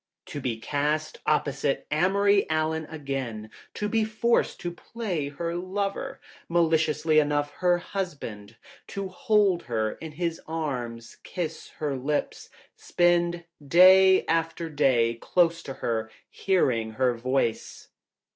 *■ To be cast opposite Amory Allen again. To be forced to play her lover — maliciously enough, her husband. To hold her in his arms, kiss her lips, spend day after day close to her, hearing her voice.